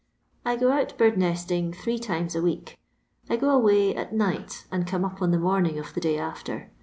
I go out bird nesting three times a week. I go away at night, and come op on the morning of the day after.